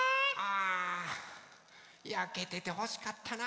やけててほしかったな。